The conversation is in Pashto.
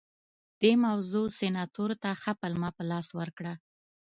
دې موضوع سناتورانو ته ښه پلمه په لاس ورکړه